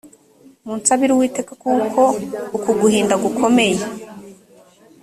munsabire uwiteka kuko uku guhinda gukomeye